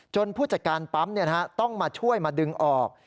ผู้จัดการปั๊มต้องมาช่วยมาดึงออก